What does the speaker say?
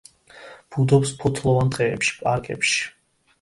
ბუდობს ფოთლოვან ტყეებში, პარკებში.